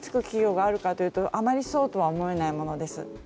企業があるかというとそうとは思えないものです。